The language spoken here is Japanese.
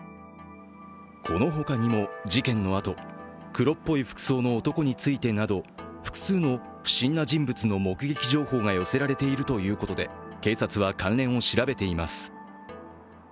このほかにも事件のあと、黒っぽい服装の男についてなど、複数の不審な人物の目撃情報が寄せられているということで警察は関連を調べています。